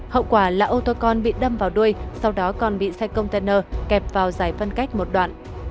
hậu quả là ô tô con bị đâm vào đuôi sau đó còn bị xe container kẹp vào giải phân cách một đoạn